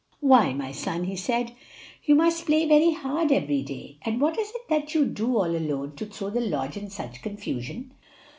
"Why, my son," he said, "you must play very hard every day; and what is it that you do, all alone, to throw the lodge in such confusion?"